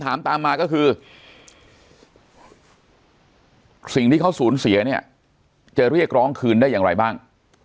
ถามตามมาก็คือสิ่งที่เขาสูญเสียเนี่ยจะเรียกร้องคืนได้อย่างไรบ้าง